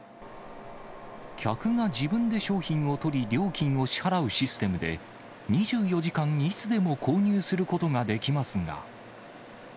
客が自分で商品を取り、料金を支払うシステムで、２４時間いつでも購入することができますが。